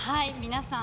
皆さん。